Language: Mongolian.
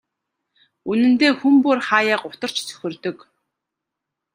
Үнэндээ хүн бүр хааяа гутарч цөхөрдөг.